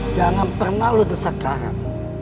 jangan pernah lu desak karat